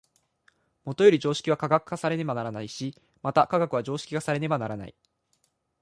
もとより常識は科学化されねばならないし、また科学は常識化されねばならない。